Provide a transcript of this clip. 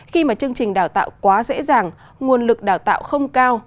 khi mà chương trình đào tạo quá dễ dàng nguồn lực đào tạo không cao